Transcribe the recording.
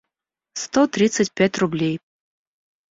сто тридцать пять рублей